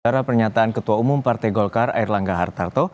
secara pernyataan ketua umum partai golkar erlangga hartarto